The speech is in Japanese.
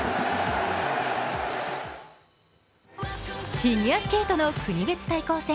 フィギュアスケートの国別対抗戦。